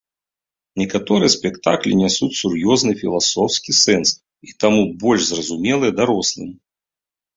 Некаторыя спектаклі нясуць сур'ёзны філасофскі сэнс, і таму больш зразумелыя дарослым.